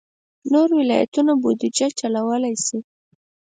نور ولایتونه بودجه چلولای شي.